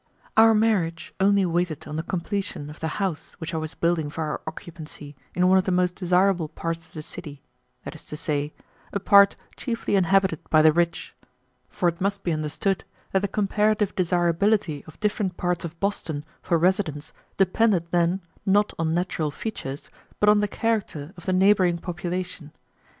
Our marriage only waited on the completion of the house which I was building for our occupancy in one of the most desirable parts of the city, that is to say, a part chiefly inhabited by the rich. For it must be understood that the comparative desirability of different parts of Boston for residence depended then, not on natural features, but on the character of the neighboring population.